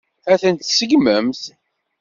Ad tent-tseggmemt?